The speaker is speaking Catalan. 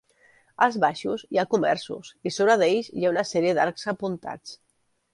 Als baixos hi ha comerços i sobre d'ells hi ha una sèrie d'arcs apuntats.